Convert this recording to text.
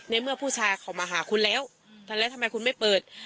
เมื่อผู้ชายเขามาหาคุณแล้วแล้วทำไมคุณไม่เปิด